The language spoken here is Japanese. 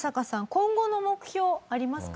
今後の目標ありますか？